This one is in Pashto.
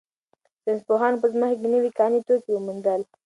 ساینس پوهانو په ځمکه کې نوي کاني توکي وموندل.